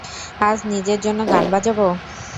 আজ নিজের জন্য গান বাজাবো?